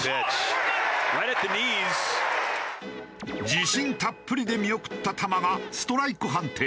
自信たっぷりで見送った球がストライク判定。